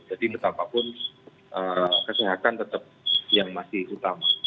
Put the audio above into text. jadi betapapun kesehatan tetap yang masih utama